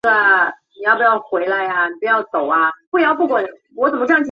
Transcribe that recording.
宝治元年继承青莲院门迹。